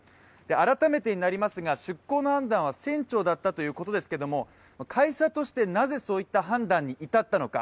改めてになりますが、出港の判断は船長だったということですが会社として、なぜそういった判断に至ったのか。